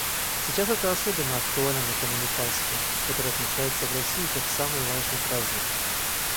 Сейчас это особенно актуально накануне Пасхи, которая отмечается в России как самый важный праздник.